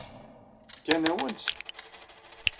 Fkan-awen-tt?